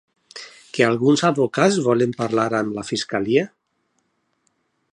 Que alguns advocats volen pactar amb la fiscalia?